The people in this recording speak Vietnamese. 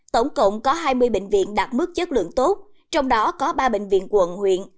tổng cộng có hai mươi bệnh viện đạt mức chất lượng tốt trong đó có ba bệnh viện quận huyện